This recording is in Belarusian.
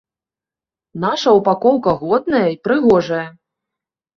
Наша упакоўка годная і прыгожая.